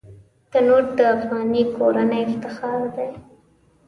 تنور د افغاني کورنۍ افتخار دی